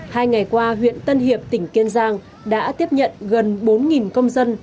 hai ngày qua huyện tân hiệp tỉnh kiên giang đã tiếp nhận gần bốn công dân